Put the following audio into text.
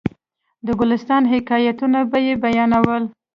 د ګلستان حکایتونه به یې بیانول.